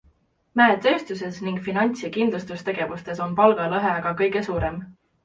Mäetööstuses ning finants- ja kindlustustegevuses on palgalõhe aga kõige suurem.